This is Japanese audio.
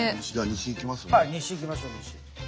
はい西行きましょう西。